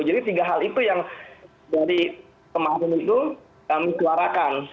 jadi tiga hal itu yang dari kemarin itu kami keluarkan